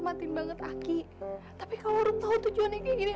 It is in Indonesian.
makasih banget aki tapi kalo rum tahu tujuannya ki gini